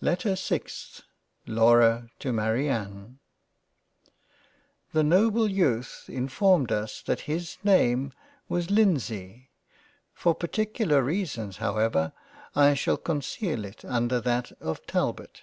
LETTER 6th LAURA to MARIANNE T HE noble Youth informed us that his name was Lindsay — for particular reasons however I shall con ceal it under that of Talbot.